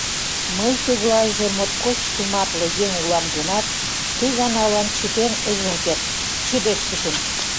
Мый тыглайже моткоч тыматле еҥ улам гынат, ты ганалан чытен ыжым керт — шыдешкышым.